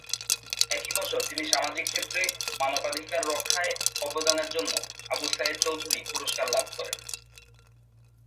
একই বছর তিনি সামাজিক ক্ষেত্রে মানবাধিকার রক্ষায় অবদানের জন্য আবু সায়েদ চৌধুরী পুরস্কার লাভ করেন।